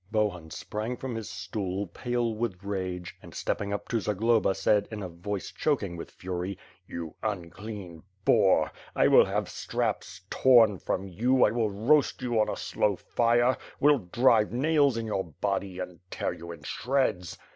Bohun sprang from his stool, pale with rage, and, stepping up to Zagloba, said, in a voice choking with fury. "You imclean boar! I will have straps torn from you, I will roast you on a slow fire, will drive nails in your body, and tear you in ahreds."